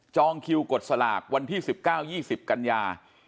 จองคิวกดสลากวันที่สิบเก้ายี่สิบกัญญา